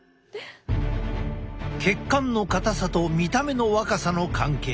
血管の硬さと見た目の若さの関係。